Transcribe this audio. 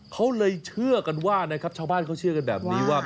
เขาเลยเชื่อกันว่านะครับชาวบ้านเขาเชื่อกันแบบนี้ว่า